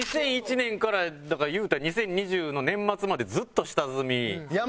２００１年からだから言うたら２０２０の年末までずっと下積み。